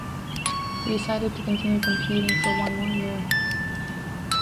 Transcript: He decided to continue competing for one more year.